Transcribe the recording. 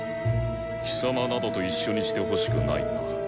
貴様などと一緒にしてほしくないな。